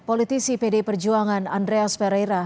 politisi pd perjuangan andreas pereira